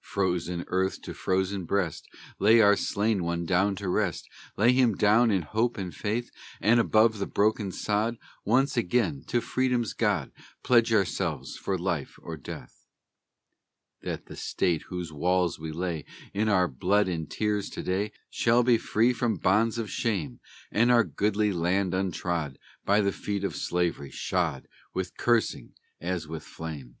Frozen earth to frozen breast, Lay our slain one down to rest; Lay him down in hope and faith, And above the broken sod, Once again, to Freedom's God, Pledge ourselves for life or death, That the State whose walls we lay, In our blood and tears, to day, Shall be free from bonds of shame, And our goodly land untrod By the feet of Slavery, shod With cursing as with flame!